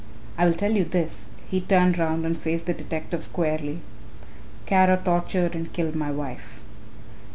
I will tell you this," he turned round and faced the detective squarely, "Kara tortured and killed my wife."